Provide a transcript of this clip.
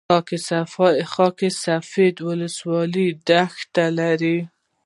خاک سفید ولسوالۍ دښتې لري؟